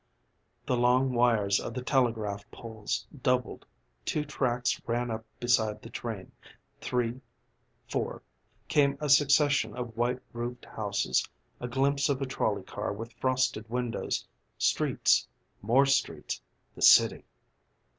'" The long wires of the telegraph poles doubled, two tracks ran up beside the train three four; came a succession of white roofed houses, a glimpse of a trolley car with frosted windows, streets more streets the city.